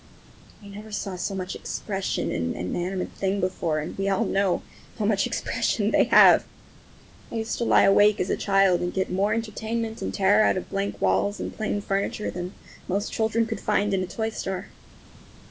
I never saw so much expression in an inanimate thing before, and we all know how much expression they have! I used to lie awake as a child and get more entertainment and terror out of blank walls and plain furniture than most children could find in a toy store.